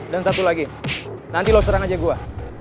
dan satu lagi nanti lo serang aja gue